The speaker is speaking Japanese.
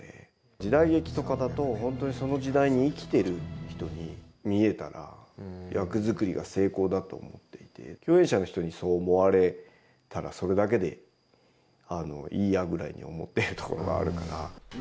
時代劇とかだと、本当にその時代に生きてる人に見えたら、役作りが成功だと思っていて、共演者の人にそう思われたら、それだけでいいやぐらいに思っているところがあるから。